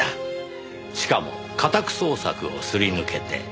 しかも家宅捜索をすり抜けて。